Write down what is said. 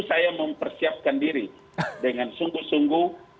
saya mempersiapkan diri dengan sungguh sungguh